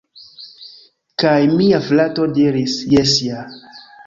Kaj mia frato diris: "Jes ja!"